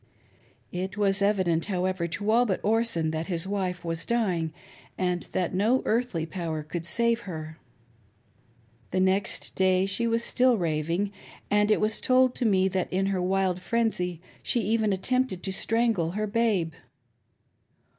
It was evident, however, to all but Orson that his wife was dying, and that no earthly power could save her. The next day she was still raving, and it was told me that in her wild frenzy she even attempted to strangle her babe.